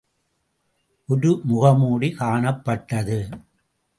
ஒரு முகமூடி காணப்பட்டது.